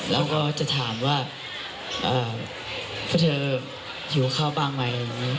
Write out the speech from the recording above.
แล้วก็จะถามว่าเพราะเธอหิวข้าวบ้างไหม